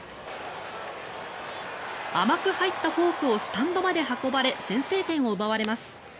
甘く入ったフォークをスタンドまで運ばれ先制点を奪われます。